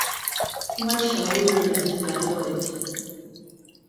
What shall we render to the Lord?